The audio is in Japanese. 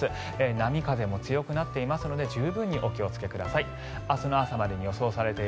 波風も強くなっていますので十分にお気をつけください。